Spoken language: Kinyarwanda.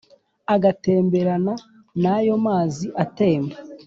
Igatemberana n'ayo mazi atemba